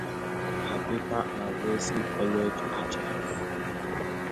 Her papers are in the Wellesley College Archives.